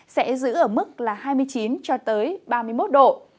sẽ giữ ở mức hai mươi chín ba mươi một độ